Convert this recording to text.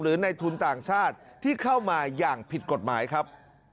ในทุนต่างชาติที่เข้ามาอย่างผิดกฎหมายครับ